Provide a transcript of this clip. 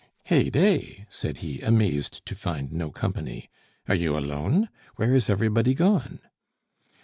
"Hey day!" said he, amazed to find no company. "Are you alone? Where is everybody gone?"